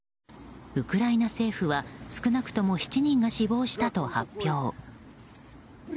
ウクライナ政府は少なくとも７人が死亡したと発表。